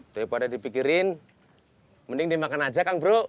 daripada dipikirin mending dimakan aja kang bro